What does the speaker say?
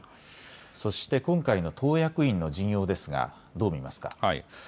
そして今回の党役員の陣容ですが、どう見ますか。